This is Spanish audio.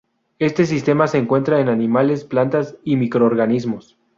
Este sistema se encuentra en animales, plantas y microorganismos.